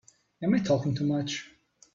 Am I talking too much?